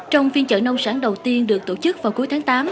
trong phiên trợ nông sản đầu tiên được tổ chức vào cuối tháng tám